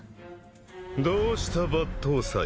どうした抜刀斎。